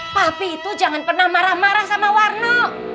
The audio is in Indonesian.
papi itu jangan pernah marah marah sama warna